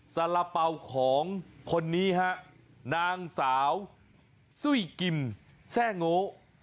สาระเป๋าของคนนี้ฮะนางสาวซุ้ยกิมแซ่โง่